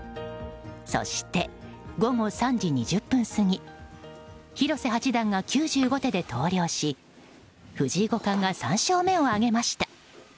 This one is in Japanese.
そして、午後３時２０分過ぎ広瀬八段が９５手で投了し藤井五冠が３勝目を挙げました。